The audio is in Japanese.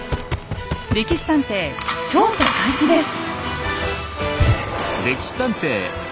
「歴史探偵」調査開始です。